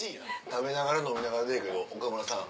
食べながら飲みながらでええけど岡村さん。